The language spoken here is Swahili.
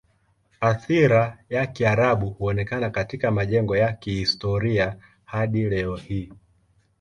Athira ya Kiarabu huonekana katika majengo ya kihistoria hadi leo hii.